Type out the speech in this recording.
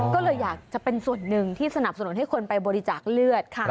ก็เลยอยากจะเป็นส่วนหนึ่งที่สนับสนุนให้คนไปบริจาคเลือดค่ะ